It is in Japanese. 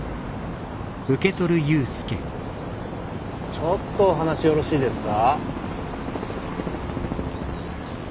ちょっとお話よろしいですか？